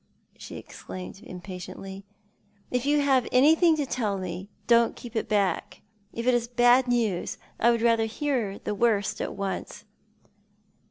she exclaimed, impatiently. "If you have anything to tell me, don't keep it back. If it is bad news I would rather hear the worst at once."